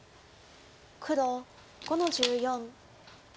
黒５の十四。